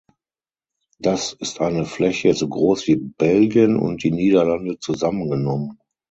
Das ist eine Fläche so groß wie Belgien und die Niederlande zusammengenommen.